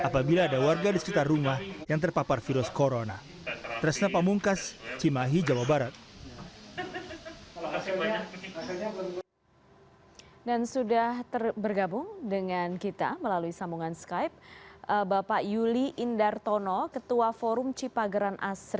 mereka juga berharap agar tidak ada pengusiran maupun pengusiran